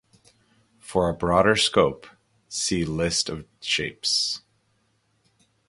For a broader scope, see list of shapes.